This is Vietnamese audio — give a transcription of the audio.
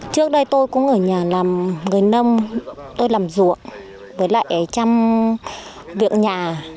trước đây tôi cũng ở nhà làm người nông tôi làm ruộng với lại trăm viện nhà